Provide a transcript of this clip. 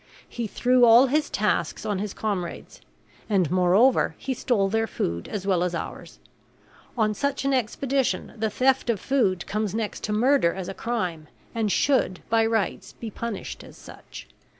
He threw all his tasks on his comrades; and, moreover, he stole their food as well as ours. On such an expedition the theft of food comes next to murder as a crime, and should by rights be punished as such.